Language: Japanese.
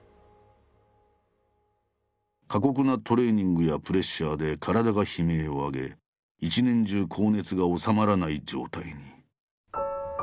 過酷なトレーニングやプレッシャーで体が悲鳴を上げ一年中高熱が治まらない状態に。